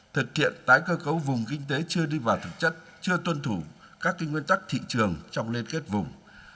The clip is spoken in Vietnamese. thực hiện tái cơ cấu vùng kinh tế chưa đi vào thực chất chưa tuân thủ các nguyên tắc thị trường trong liên kết vùng